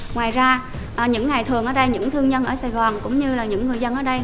ngoài ra những ngày thường ở đây những thương nhân ở sài gòn cũng như là những người dân ở đây